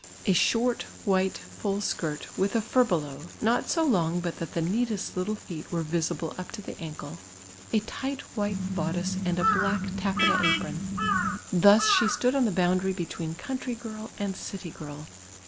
A short, white, full skirt, with a furbelow, not so lonj^ but that the neatest little feet were visible up to the ankle ; a ti;^ht white bodice and a black tafleta a])ron, — thus she Ktood on the boundary ])i>tweeu country girl and city girl.